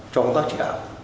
trong công tác chỉ đạo